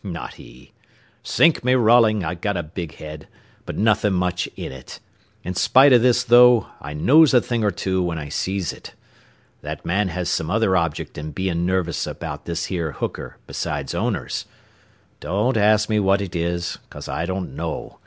Not he. Sink me, Rolling, I got a big head, but nothin' much in it; in spite o' this, though, I knows a thing or two when I sees it. That man has some other object in bein' nervous about this here hooker besides owners. Don't ask me what it is, 'cause I don't know.